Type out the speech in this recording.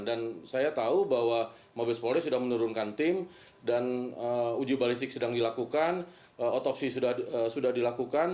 dan saya tahu bahwa mobes polri sudah menurunkan tim dan uji balistik sedang dilakukan otopsi sudah dilakukan